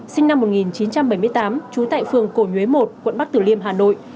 sinh năm một nghìn chín trăm bảy mươi tám trú tại phường cổ nhuế một quận bắc tử liêm hà nội